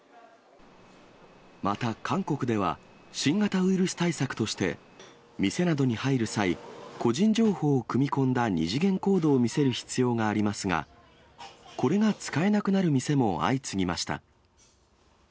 また韓国では、新型ウイルス対策として、店などに入る際、個人情報を組み込んだ二次元コードを見せる必要がありますが、これが使えなくなる店も相次ぎました。